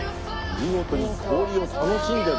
見事に氷を楽しんでる。